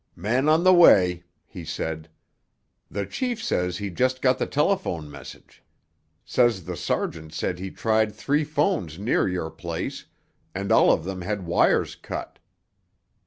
"Men on the way," he said. "The chief says he just got the telephone message. Says the sergeant said he tried three phones near your place, and all of them had wires cut.